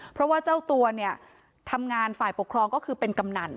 เพราะว่าเจ้าตัวเนี่ยทำงานฝ่ายปกครองก็คือเป็นกำนัน